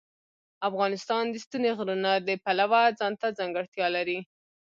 افغانستان د ستوني غرونه د پلوه ځانته ځانګړتیا لري.